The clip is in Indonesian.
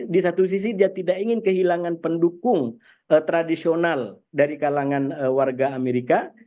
di satu sisi dia tidak ingin kehilangan pendukung tradisional dari kalangan warga amerika